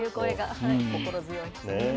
心強い。